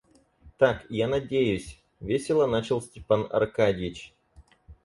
Так я надеюсь... — весело начал Степан Аркадьич.